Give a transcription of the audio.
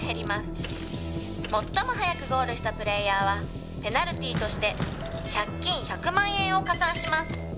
「最も早くゴールしたプレーヤーはペナルティーとして借金１００万円を加算します」